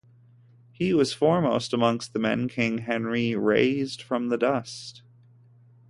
He was foremost amongst the men king Henry "raised from the dust".